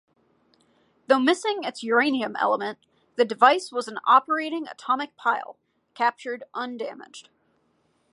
Though missing its uranium element, the device was an operating atomic pile, captured undamaged.